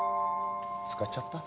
使っちゃった？